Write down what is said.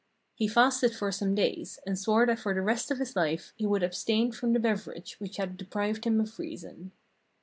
He fasted for some days, and swore that for the rest of his life he would abstain from the beverage which had de prived him of reason.